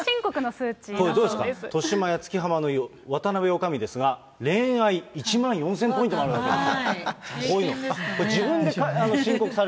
これ、どうですか、としまやつきはまの湯、渡辺おかみですが、恋愛１万４０００ポイントもあるわけですよ。